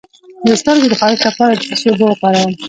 د سترګو د خارښ لپاره د څه شي اوبه وکاروم؟